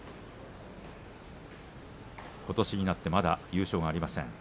ことしになってまだ優勝がありません。